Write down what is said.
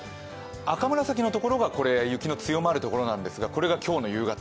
赤紫のところが雪が強まるんですが、これは今日の夕方。